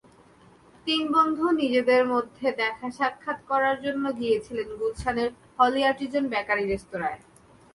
তিন বন্ধু নিজেদের মধ্যে দেখাসাক্ষাৎ করার জন্য গিয়েছিলেন গুলশানের হলি আর্টিজান বেকারি রেস্তোরাঁয়।